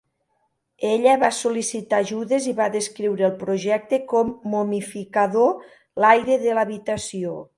Ella va sol·licitar ajudes i va descriure el projecte com "momificador l'aire de l'habitació".